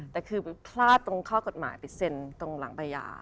แต่คือไปพลาดตรงข้อกฎหมายไปเซ็นตรงหลังป่ายา